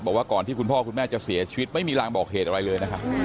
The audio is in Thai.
บอกว่าก่อนที่คุณพ่อคุณแม่จะเสียชีวิตไม่มีรางบอกเหตุอะไรเลยนะครับ